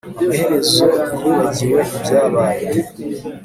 Amaherezo yibagiwe ibyabaye